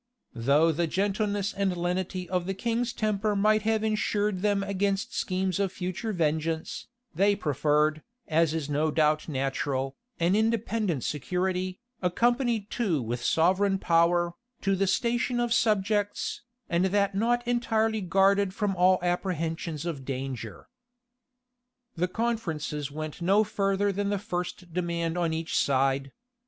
Though the gentleness and lenity of the king's temper might have insured them against schemes of future vengeance, they preferred, as is no doubt natural, an independent security, accompanied too with sovereign power, to the station of subjects, and that not entirely guarded from all apprehensions of danger.[*] The conferences went no further than the first demand on each side.